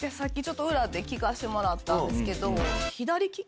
裏で聞かせてもらったんですけど。